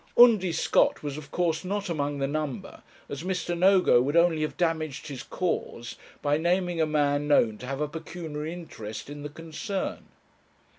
Undy Scott was of course not among the number, as Mr. Nogo would only have damaged his cause by naming a man known to have a pecuniary interest in the concern.